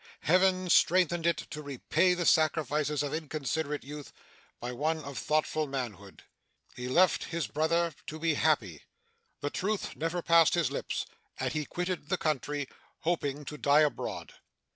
Heaven strengthened it to repay the sacrifices of inconsiderate youth by one of thoughtful manhood. He left his brother to be happy. The truth never passed his lips, and he quitted the country, hoping to die abroad.